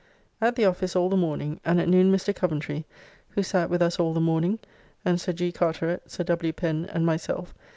At the office all the morning, and at noon Mr. Coventry, who sat with us all the morning, and Sir G. Carteret, Sir W. Pen, and myself